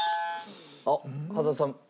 あっ羽田さん。